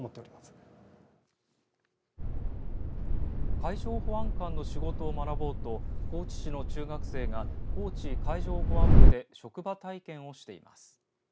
海上保安官の仕事を学ぼうと高知市の中学生が高知海上保安部で職場体験をしています。